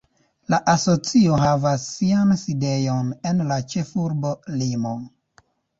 La asocio havas sian sidejon en la ĉefurbo Limo.